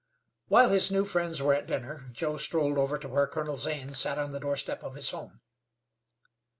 While his new friends were at dinner Joe strolled over to where Colonel Zane sat on the doorstep of his home.